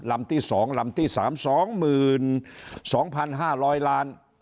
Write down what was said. ลำที่สองลำที่สามสองหมื่นสองพันห้าร้อยลาน